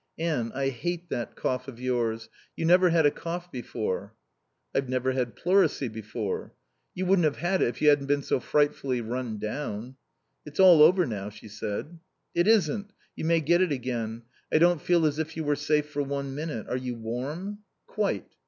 "Anne, I hate that cough of yours. You never had a cough before." "I've never had pleurisy before." "You wouldn't have had it if you hadn't been frightfully run down." "It's all over now," she said. "It isn't. You may get it again. I don't feel as if you were safe for one minute. Are you warm?" "Quite."